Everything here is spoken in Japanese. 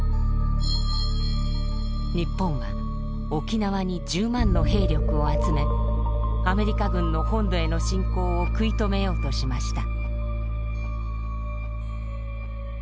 日本は沖縄に１０万の兵力を集めアメリカ軍の本土への侵攻を食い止めようとしました。